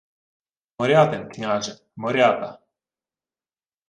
— Морятин, княже, Морята.